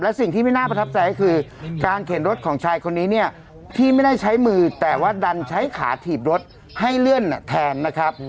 สิ่งที่ไม่น่าประทับใจก็คือการเข็นรถของชายคนนี้เนี่ยที่ไม่ได้ใช้มือแต่ว่าดันใช้ขาถีบรถให้เลื่อนแทนนะครับ